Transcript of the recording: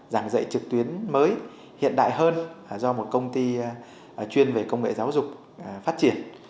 giảng dạy trực tuyến mới hiện đại hơn do một công ty chuyên về công nghệ giáo dục phát triển